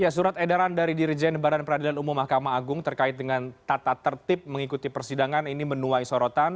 surat edaran dari dirjen badan peradilan umum mahkamah agung terkait dengan tata tertib mengikuti persidangan ini menuai sorotan